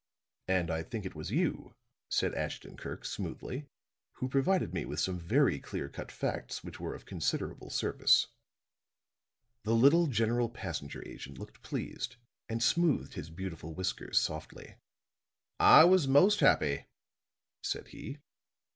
"And I think it was you," said Ashton Kirk, smoothly, "who provided me with some very clearly cut facts which were of considerable service." The little General Passenger Agent looked pleased and smoothed his beautiful whiskers softly. "I was most happy," said he.